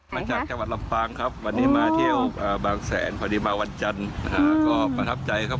มาจากจังหวัดลำปางครับวันนี้มาเที่ยวบางแสนพอดีมาวันจันทร์ก็ประทับใจครับ